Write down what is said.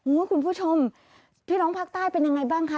คุณผู้ชมพี่น้องภาคใต้เป็นยังไงบ้างคะ